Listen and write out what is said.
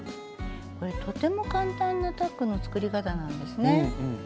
これとても簡単なタックの作り方なんですね。